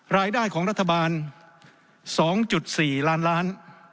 รายได้ของรัฐบาล๒๔ล้านล้าน